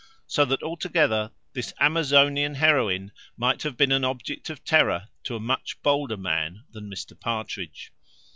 So that, altogether, this Amazonian heroine might have been an object of terror to a much bolder man than Mr Partridge.